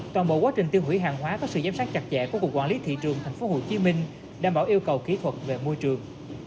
toàn bộ quá trình tiêu hủy hàng hóa có sự giám sát chặt chẽ của cục quản lý thị trường tp hcm đảm bảo yêu cầu kỹ thuật về môi trường